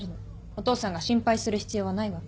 お父さんが心配する必要はないわ。